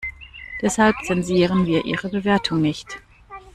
Deshalb zensieren wir ihre Bewertung nicht.